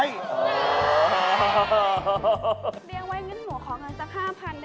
เรียงไว้หนูขอเงิน๕๐๐๐หรือเปล่า